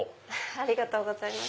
ありがとうございます。